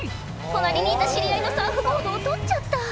隣にいた知り合いのサーフボードを取っちゃった！